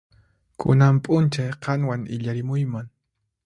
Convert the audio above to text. Kunan p'unchay qanwan illarimuyman.